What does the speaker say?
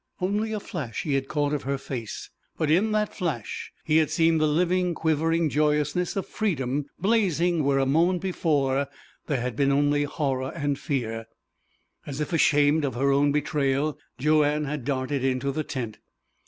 Only a flash he had caught of her face; but in that flash he had seen the living, quivering joyousness of freedom blazing where a moment before there had been only horror and fear. As if ashamed of her own betrayal, Joanne had darted into the tent.